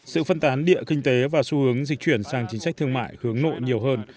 sự phân tán địa kinh tế và xu hướng dịch chuyển sang chính sách thương mại hướng nội nhiều hơn